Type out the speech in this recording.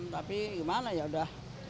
tapi gimana ya udah